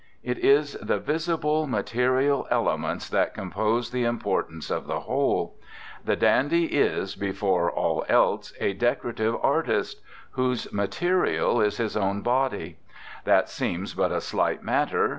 It is the visible, material ele ments that compose the importance of the whole. The dandy is, before all else, a decorative artist, whose material is his 95 RECOLLECTIONS OF OSCAR WILDE own body. That seems but a slight matter.